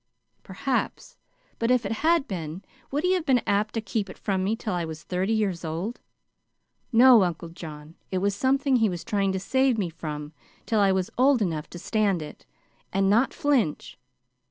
"Perhaps. But if it had been, would he have been apt to keep it from me till I was thirty years old? No! Uncle John, it was something he was trying to save me from till I was old enough to stand it and not flinch.